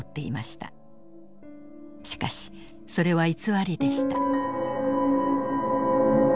しかしそれは偽りでした。